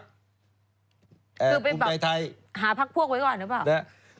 คือเป็นแบบหาพักพวกไว้ก่อนหรือเปล่า